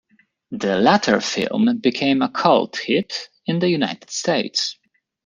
The latter film became a cult hit in the United States.